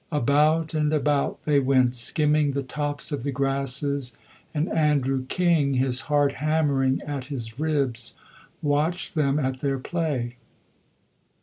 About and about they went, skimming the tops of the grasses, and Andrew King, his heart hammering at his ribs, watched them at their play.